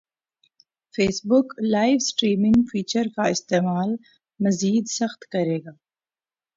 face بک live streaming feature کا استعمال مزید سخت کریگا